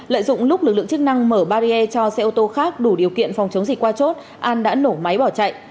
lợi dụng lúc lực lượng chức năng mở barrier cho xe ô tô khác đủ điều kiện phòng chống dịch qua chốt an đã nổ máy bỏ chạy